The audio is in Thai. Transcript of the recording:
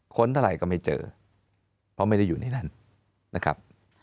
เท่าไหร่ก็ไม่เจอเพราะไม่ได้อยู่ในนั้นนะครับ